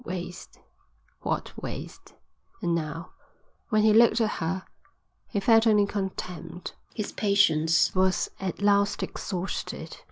Waste, what waste! And now, when he looked at her, he felt only contempt. His patience was at last exhausted.